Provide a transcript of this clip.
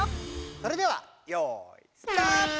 それではよいスタート！